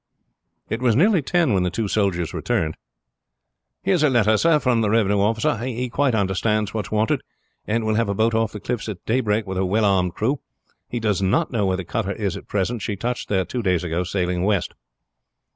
It was nearly ten when the two soldiers returned. "Here's a letter sir, from the revenue officer. He quite understands what is wanted, and will have a boat off the cliffs at daybreak with a well armed crew. He does not know where the cutter is at present. She touched there two days ago, sailing west."